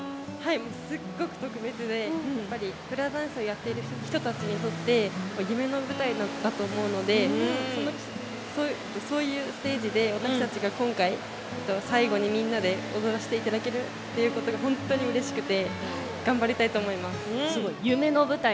すごく特別でフラダンスをやってる人にとって夢の舞台だったと思うのでそういうステージで、私たちが今回、最後にみんなで踊らさせていただけるのが本当にうれしくて夢の舞台。